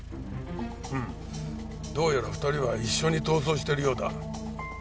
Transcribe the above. うんどうやら２人は一緒に逃走してるようだ。